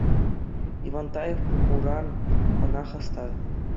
Ивантаев пухура кӑна хастар.